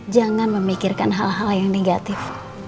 jangan memikirkan hal hal yang negatif